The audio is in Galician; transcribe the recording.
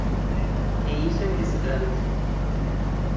¿E iso en que se traduce?